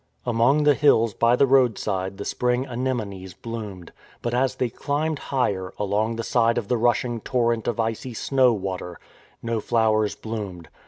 Among the hills by the roadside the spring anemones bloomed, but as they climbed higher, along the side of the rushing torrent of icy snow water, no flowers bloomed.